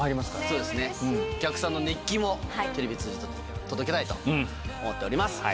そうですねお客さんの熱気もテレビを通じて届けたいと思っております。